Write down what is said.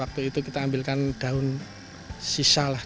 waktu itu kita ambilkan daun sisa lah